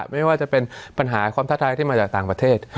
ไม่ว่าจะเป็นปัญหาความท้าทายที่มาจากต่างประเทศ